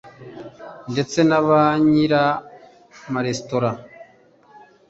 ndetse na banyir’amaresitora